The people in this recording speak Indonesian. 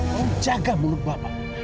kamu jaga mulut bapak